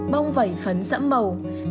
bông vẩy phấn sẫm màu